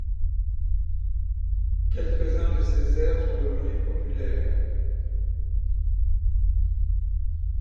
Quelques-uns de ses airs sont devenus populaires.